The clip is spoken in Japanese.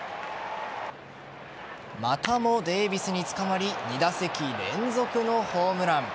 またもデービスに捕まり２打席連続のホームラン。